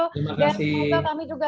dan semoga kami juga